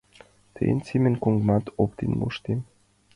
Тыйын семын коҥгамат оптен моштем.